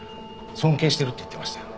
尊敬してるって言ってましたよ。